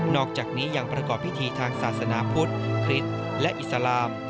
อกจากนี้ยังประกอบพิธีทางศาสนาพุทธคริสต์และอิสลาม